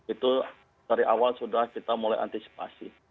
itu dari awal sudah kita mulai antisipasi